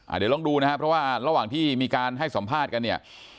เดี๋ยวลองดูนะครับเพราะว่าระหว่างที่มีการให้สัมภาษณ์กันเนี่ย